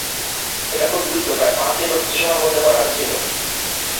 এটা খুব দ্রুত, প্রায় পাঁচ দিন বা কিছু সময়ের মধ্যে করা হয়েছিল।